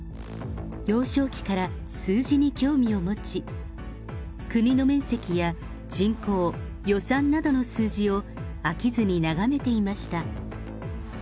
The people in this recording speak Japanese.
幼少期から数字に興味を持ち、国の面積や人口、予算などの数字を飽きずに眺めていました。